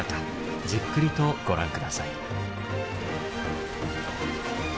じっくりとご覧下さい。